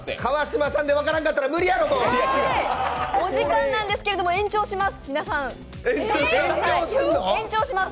お時間なんですけど、延長します。